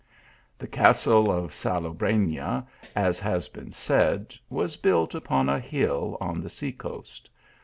The castle of Salobrefia, as has been said, was built upon a hill on the sea coast.